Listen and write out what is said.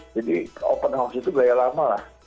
jadi open house itu gaya lama lah